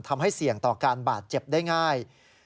ทำให้เสี่ยงต่อการบาดเจ็บได้ง่าย